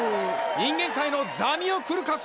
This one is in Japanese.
人間界のザミオクルカス！